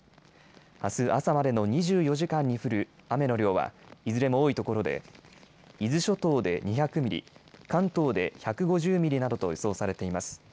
あす朝までの２４時間に降る雨の量は、いずれも多い所で、伊豆諸島で２００ミリ、関東で１５０ミリなどと予想されています。